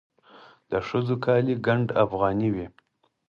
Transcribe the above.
د ښځو کالي ګنډ افغاني وي.